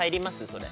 それ。